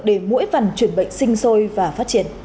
để mỗi vần chuyển bệnh sinh sôi và phát triển